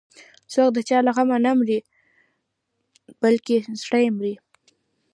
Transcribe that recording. څوك د چا له غمه نه مري دروغ وايي